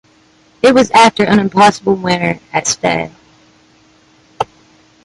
It was after an impossible winter at Ste.